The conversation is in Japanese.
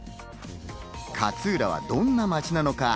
勝浦はどんな町なのか？